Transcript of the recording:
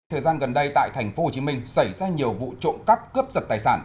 thời gian gần đây tại tp hcm xảy ra nhiều vụ trộm cắp cướp giật tài sản